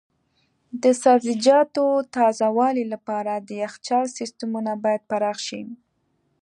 د سبزیجاتو تازه والي لپاره د یخچال سیستمونه باید پراخ شي.